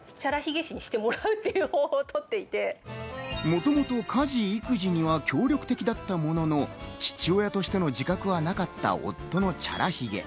もともと家事・育児には協力的だったものの、父親としての自覚はなかった夫のチャラヒゲ。